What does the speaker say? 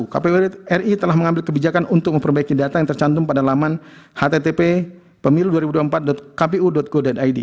kpu ri telah mengambil kebijakan untuk memperbaiki data yang tercantum pada laman kttp pemilu dua ribu dua puluh empat kpu co id